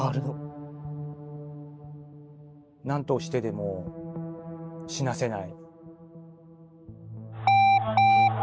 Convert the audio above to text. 何としてでも死なせない。